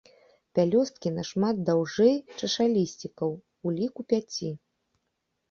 Пялёсткі нашмат даўжэй чашалісцікаў, у ліку пяці.